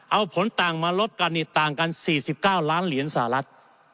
เอาผลต่างมาลบกันต่างกัน๔๙ล้านเหรียญสหรัฐ